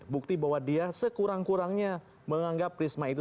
bukti bahwa dia sekurang kurangnya menganggap risma itu